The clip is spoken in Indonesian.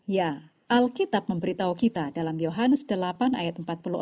ya alkitab memberitahu kita dalam yohanes delapan ayat empat puluh empat